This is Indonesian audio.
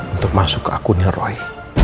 untuk masuk akun roy